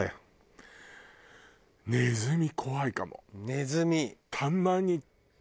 ネズミ！